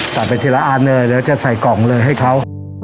ตัดไปทีละอันเลยแล้วจะใส่กล่องเลยให้เขา